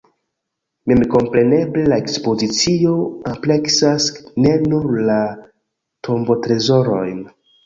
Memkompreneble la ekspozicio ampleksas ne nur la tombotrezorojn.